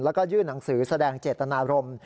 และยื่นหนังสือแสดงเจตนารม